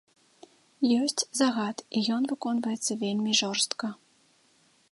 Ёсць загад і ён выконваецца вельмі жорстка.